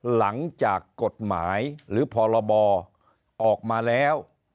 หลังจากกฎหมายหรือพรบออกมาแล้ว